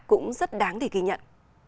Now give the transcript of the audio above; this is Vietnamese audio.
cũng rất đáng để ghi nhận